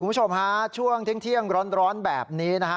คุณผู้ชมฮะช่วงเที่ยงร้อนแบบนี้นะฮะ